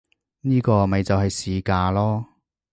呢個咪就係市價囉